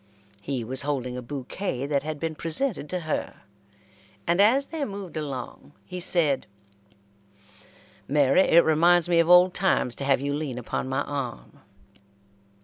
He was holding a bouquet that had been presented to her, and as they moved along he said: "Mary, it reminds me of old times to have you lean upon my arm."